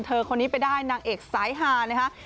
คนนี้ไปได้นางเอกสายฮานะคะ